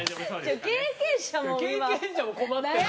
経験者も困ってる。